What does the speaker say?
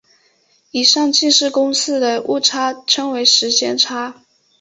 以上近似公式的误差称为时间差。